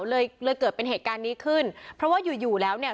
เลยเลยเกิดเป็นเหตุการณ์นี้ขึ้นเพราะว่าอยู่อยู่แล้วเนี่ย